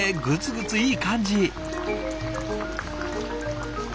グツグツいい感じ！